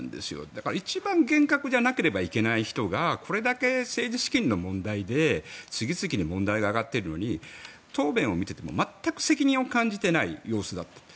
だから一番厳格じゃなければいけない人がこれだけ政治資金の問題で次々に問題が挙がっているのに答弁を見ていても全く責任を感じていない様子だった。